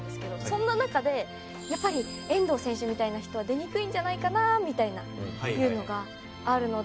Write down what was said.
そんな中でやっぱり遠藤選手みたいな人は出にくいんじゃないかなみたいなっていうのがあるので。